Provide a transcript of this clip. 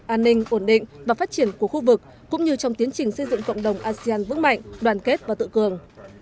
an ninh ổn định và phát triển của khu vực cũng như trong tiến trình xây dựng cộng đồng asean vững mạnh đoàn kết và tự cường